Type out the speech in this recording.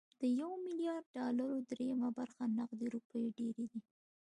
د يو ميليارد ډالرو درېيمه برخه نغدې روپۍ ډېرې دي.